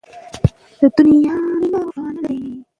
آيا ابداليان او هوتکان په ګډه جنګېدلي دي؟